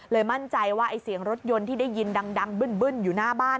มั่นใจว่าไอ้เสียงรถยนต์ที่ได้ยินดังบึ้นอยู่หน้าบ้าน